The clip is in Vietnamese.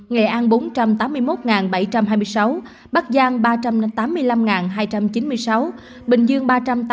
nghệ an bốn trăm tám mươi một bảy trăm hai mươi sáu bắc giang ba trăm tám mươi năm hai trăm chín mươi sáu bình dương ba trăm tám mươi ba bốn trăm linh ba